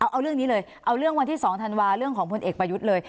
เอาเรื่องนี้เลยเอาเรื่องวันที่๒ธันวาเรื่องของพลเอกประยุทธ์เลย